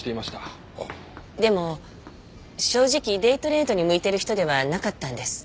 でも正直デイトレードに向いてる人ではなかったんです。